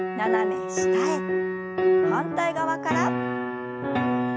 反対側から。